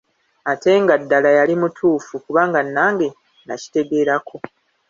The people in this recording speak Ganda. Ate nga ddala yali mutuufu, kubanga nange nakitegeera ko.